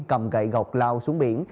cầm gậy gọc lao xuống biển